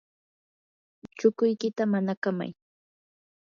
chukuykita manakamay.